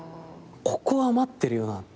ここ余ってるよなって。